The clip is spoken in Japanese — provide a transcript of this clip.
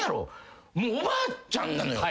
もうおばあちゃんなのよ。